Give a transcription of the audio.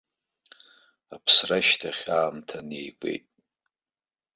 Аԥсра ашьҭахь аамҭа неигәеит.